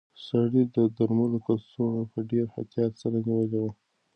سړي د درملو کڅوړه په ډېر احتیاط سره نیولې وه.